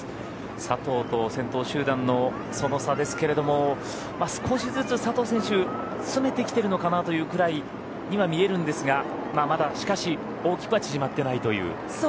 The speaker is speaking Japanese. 佐藤と先頭集団のその差ですけれども少しずつ佐藤選手詰めてきてるのかなというくらいには見えるんですが、まだしかし大きくは縮まってないという。